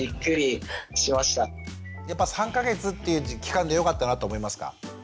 やっぱ３か月っていう期間でよかったなと思いますか？